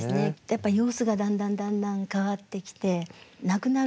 様子がだんだんだんだん変わってきて亡くなる